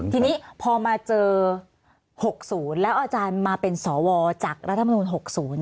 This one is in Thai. ทีนี้พอมาเจอ๖๐แล้วอาจารย์มาเป็นสวจากรัฐมนุน๖๐